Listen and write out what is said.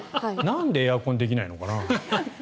なんでエアコンできないのかな？